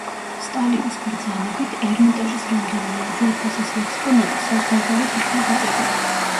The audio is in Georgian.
სტალინის ბრძანებით ერმიტაჟის რამდენიმე უძვირფასესი ექსპონატი საზღვარგარეთ იქნა გაყიდული.